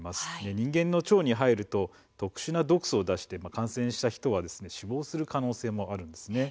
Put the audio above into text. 人間の腸に入ると特殊な毒素を出して感染した人は死亡する可能性もあるんです。